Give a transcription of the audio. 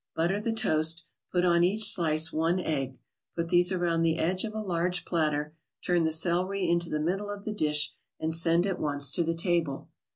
Butter the toast, put on each slice one egg; put these around the edge of a large platter, turn the celery into the middle of the dish and send at once to the table.